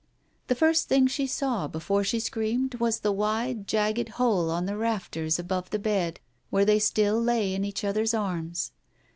The first thing she saw, before she screamed, was the wide, jagged hole on the rafters above the bed where they still lay in each other's arms.